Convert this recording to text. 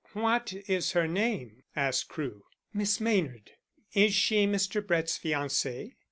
"What is her name?" asked Crewe. "Miss Maynard." "Is she Mr. Brett's fiancée?"